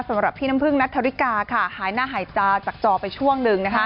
สำหรับพี่น้ำพึ่งนัทธริกาค่ะหายหน้าหายตาจากจอไปช่วงหนึ่ง